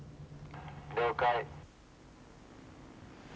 「了解」。